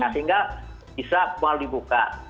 sehingga bisa mall dibuka